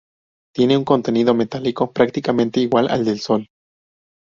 Tiene un contenido metálico prácticamente igual al del Sol.